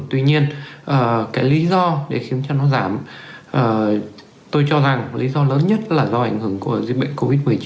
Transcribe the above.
tuy nhiên cái lý do để khiến cho nó giảm tôi cho rằng lý do lớn nhất là do ảnh hưởng của dịch bệnh covid một mươi chín